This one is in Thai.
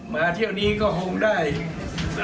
มาเที่ยวนี้ก็โฮมได้